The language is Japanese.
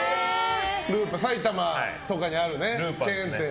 るーぱん、埼玉とかにあるチェーン店。